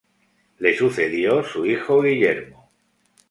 Le sucedió su hijo Guillermo.